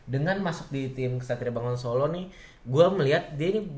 dengan masuk di tim ksatria bangun solo nih gua melihat dia ini mungkin ya